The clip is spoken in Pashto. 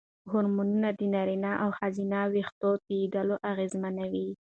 هورمونونه د نارینه او ښځینه وېښتو توېیدل اغېزمنوي.